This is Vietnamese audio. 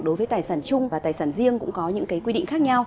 đối với tài sản chung và tài sản riêng cũng có những quy định khác nhau